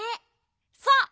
そう。